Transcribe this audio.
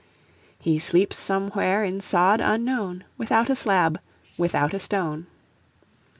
"He sleeps somewhere in sod unknown, Without a slab, without a stone."